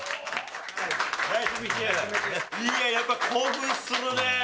やっぱ興奮するね。